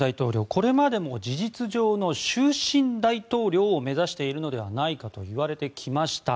これまでも事実上の終身大統領を目指しているのではないかといわれてきました。